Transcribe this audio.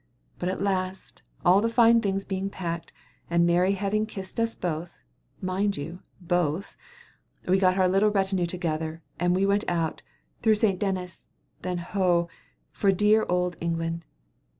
But at last, all the fine things being packed, and Mary having kissed us both mind you, both we got our little retinue together and out we went, through St. Denis, then ho! for dear old England.